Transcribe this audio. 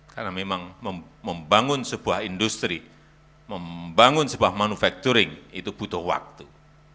karena memang membangun sebuah industri membangun sebuah manufacturing itu butuh waktu